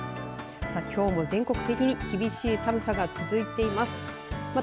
きょうも全国的に厳しい寒さが続いています。